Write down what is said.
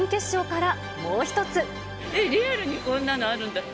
リアルにこんなのあるんだって。